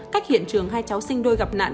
cách hiện trường hai cháu sinh đôi gặp nạn